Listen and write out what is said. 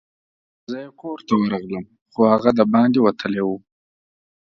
زه یې کور ته ورغلم، خو هغه دباندي وتلی وو.